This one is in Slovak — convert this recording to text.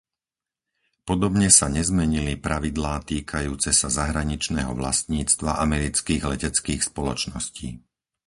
Podobne sa nezmenili pravidlá týkajúce sa zahraničného vlastníctva amerických leteckých spoločností.